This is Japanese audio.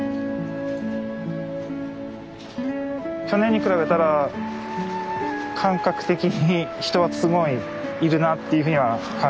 去年に比べたら感覚的に人はすごいいるなっていうふうには感じます。